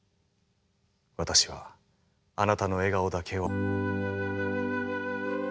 私はあなたの笑顔だけを。